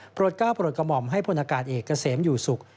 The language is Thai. ก้าวโปรดกระหม่อมให้พลอากาศเอกเกษมอยู่ศุกร์